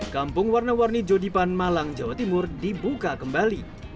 kampung warna warni jodipan malang jawa timur dibuka kembali